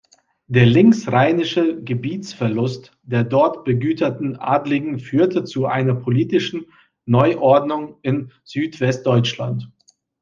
Der linksrheinische Gebietsverlust der dort begüterten Adligen führte zu einer politischen Neuordnung in Südwestdeutschland.